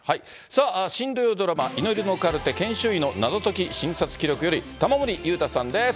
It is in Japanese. さあ、新土曜ドラマ、祈りのカルテ研修医の謎解き診察記録より、玉森裕太さんです。